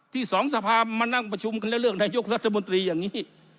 สองสภามานั่งประชุมกันแล้วเลือกนายกรัฐมนตรีอย่างนี้